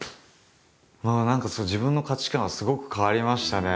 何か自分の価値観はすごく変わりましたね。